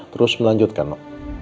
terus melanjutkan no